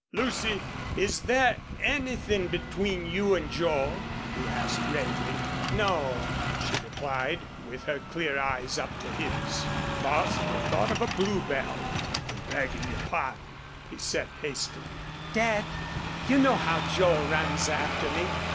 "Lucy, is there anythin' between you an' Joel?" he asked, gravely. "No," she replied, with her clear eyes up to his. Bostil thought of a bluebell. "I'm beggin' your pardon," he said, hastily. "Dad, you know how Joel runs after me.